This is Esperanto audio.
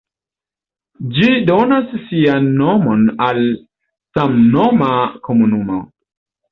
Ĝi donas sian nomon al samnoma komunumo.